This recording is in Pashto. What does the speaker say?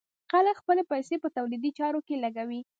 خلک خپلې پيسې په تولیدي چارو کې لګوي.